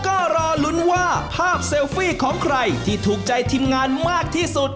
ก็รอลุ้นว่าภาพเซลฟี่ของใครที่ถูกใจทีมงานมากที่สุด